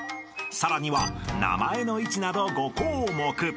［さらには名前の位置など５項目］